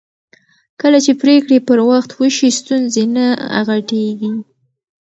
کله چې پرېکړې پر وخت وشي ستونزې نه غټېږي